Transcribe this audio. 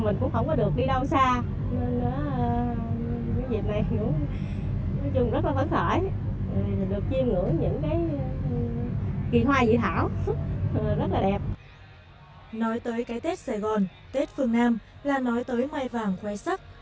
nói tới cái tết sài gòn tết phương nam là nói tới mai vàng khoai sắc